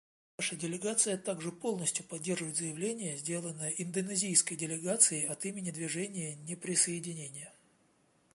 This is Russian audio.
Наша делегация также полностью поддерживает заявление, сделанное индонезийской делегацией от имени Движения неприсоединения.